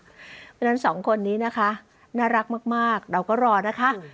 เพราะฉะนั้นสองคนนี้นะคะน่ารักมากเราก็รอนะคะ